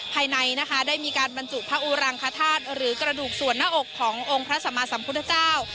ภายในนะคะได้มีการบรรจุพระอุรังคธาตุหรือกระดูกส่วนหน้าอกขององค์พระสัมมาสัมพุทธเจ้า